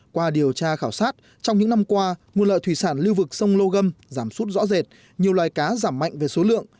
qua điều tra khảo sát trong những năm qua nguồn lợi thủy sản lưu vực sông lô gâm giảm sút rõ rệt nhiều loài cá giảm mạnh về số lượng